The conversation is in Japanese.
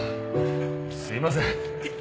すいません。